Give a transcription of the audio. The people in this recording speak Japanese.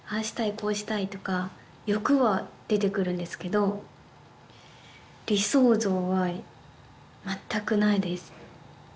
こうしたいとか欲は出てくるんですけど理想像は全くないです